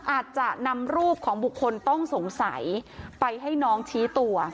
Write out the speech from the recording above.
อาจจะนำรูปของบุคคลต้องสงสัยไปให้น้องชี้ตัว